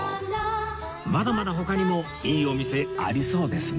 まだまだ他にもいいお店ありそうですね